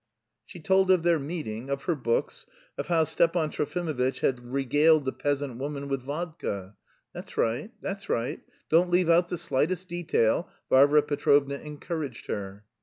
She told of their meeting, of her books, of how Stepan Trofimovitch had regaled the peasant woman with vodka... "That's right, that's right, don't leave out the slightest detail," Varvara Petrovna encouraged her.